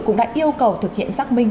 cũng đã yêu cầu thực hiện giác minh